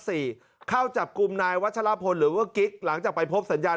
เข้าจับกลุ่มนายวัชลพลหรือว่ากิ๊กหลังจากไปพบสัญญาณ